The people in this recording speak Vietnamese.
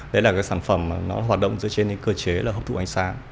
đấy là cái sản phẩm nó hoạt động dưới trên những cơ chế là hợp thụ ánh sáng